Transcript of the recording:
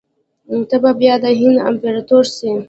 ته به بیا د هند امپراطور سې.